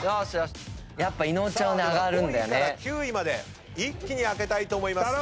では５位から９位まで一気に開けたいと思います。